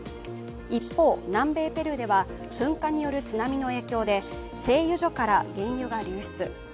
一方、南米ペルーでは噴火による津波の影響で製油所から原油が流出。